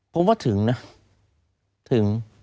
ผมว่าถึงนะถึง